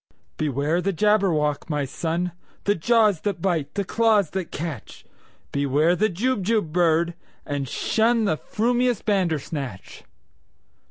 "Beware the Jabberwock, my son! The jaws that bite, the claws that catch! Beware the Jubjub bird, and shunThe frumious Bandersnatch!"